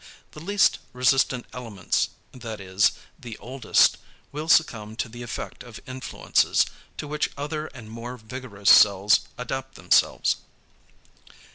The least resistant elements, that is, the oldest, will succumb to the effect of influences, to which other and more vigorous cells adapt themselves.